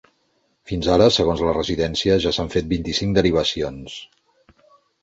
Fins ara, segons la residència, ja s’han fet vint-i-cinc derivacions.